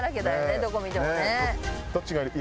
どこ見てもね。